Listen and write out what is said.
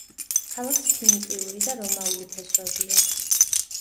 ქალაქს ფინიკიური და რომაული ფესვები აქვს.